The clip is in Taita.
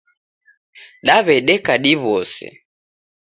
Daw'edeka diw'ose.